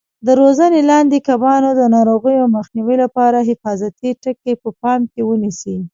د روزنې لاندې کبانو د ناروغیو مخنیوي لپاره حفاظتي ټکي په پام کې ونیسئ.